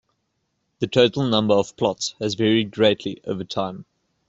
The total number of plots has varied greatly over time.